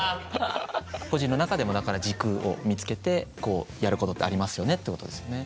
個人の中でもだから軸を見つけてこうやることってありますよねってことですよね。